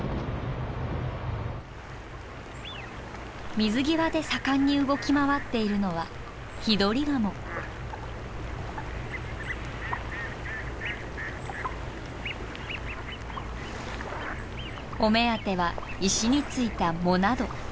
水際で盛んに動き回っているのはお目当ては石についた藻など。